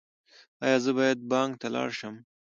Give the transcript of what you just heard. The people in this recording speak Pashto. ایا زه باید بانک ته لاړ شم؟